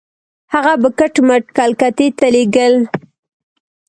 هغه به کټ مټ کلکتې ته لېږل.